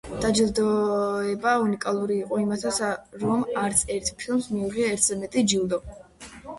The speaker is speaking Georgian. დაჯილდოება უნიკალური იყო იმითაც, რომ არც ერთ ფილმს მიუღია ერთზე მეტი ჯილდო.